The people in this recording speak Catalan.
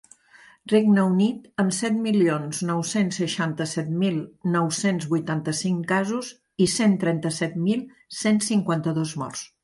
Regne Unit, amb set milions nou-cents seixanta-set mil nou-cents vuitanta-cinc casos i cent trenta-set mil cent cinquanta-dos morts.